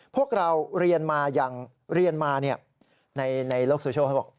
พวกเราเรียนมาอย่างเรียนมาในโลกโซเชียลเขาบอก